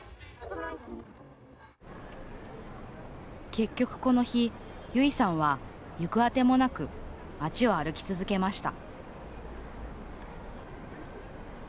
結局、この日ゆいさんは行く当てもなく街を歩き続けました。